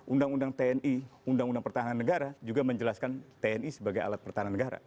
undang undang tni undang undang pertahanan negara juga menjelaskan tni sebagai alat pertahanan negara